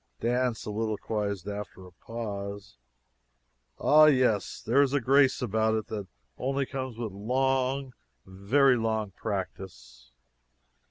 Dan soliloquized after a pause: "Ah, yes; there is a grace about it that only comes with long, very long practice."